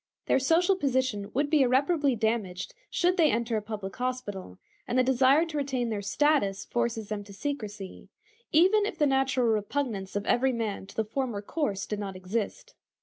Their social position would be irreparably damaged should they enter a public hospital, and the desire to retain their status forces them to secrecy, even if the natural repugnance of every man to the former course did not exist.